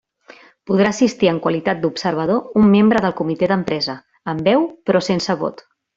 Podrà assistir en qualitat d'observador un membre del Comitè d'empresa, amb veu però sense vot.